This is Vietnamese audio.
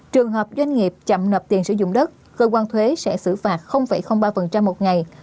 trường hợp doanh nghiệp chậm nộp tiền sử dụng đất cơ quan thuế sẽ xử phạt ba một ngày